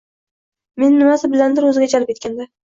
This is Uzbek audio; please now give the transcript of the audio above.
meni nimasi bilandir o‘ziga jalb etgandi.